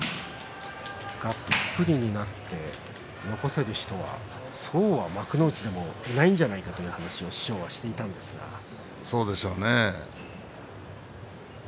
がっぷりになって残せる人はそうは幕内ではいないんじゃないかという話をそうでしょうね。